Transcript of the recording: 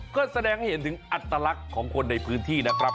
ก็แสดงให้เห็นถึงอัตลักษณ์ของคนในพื้นที่นะครับ